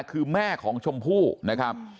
คือแม่ของชมพู่นะครับ